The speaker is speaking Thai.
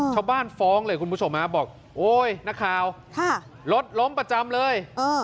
ฟ้องเลยคุณผู้ชมบอกโอ๊ยนักข่าวรถล้มประจำเลย